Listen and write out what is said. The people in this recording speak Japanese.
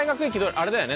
あれだよね？